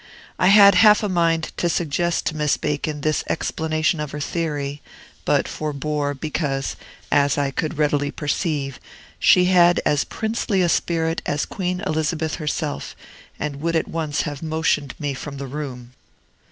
I had half a mind to suggest to Miss Bacon this explanation of her theory, but forbore, because (as I could readily perceive) she had as princely a spirit as Queen Elizabeth herself, and would at once have motioned me from the room.